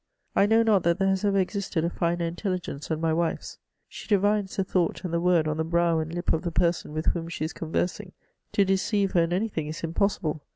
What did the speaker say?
I know not that there has ever existed a fiper intelligence than my wife's ; she divines the thought and the word on the brow and lip of the person with whom she is conversing ; to deceive her in any thing is impossible.